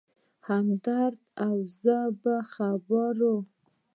همدرد او زه په خبرو و.